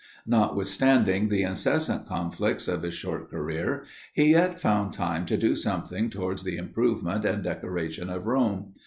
Notwithstanding the incessant conflicts of his short career, he yet found time to do something towards the improvement and decoration of Rome.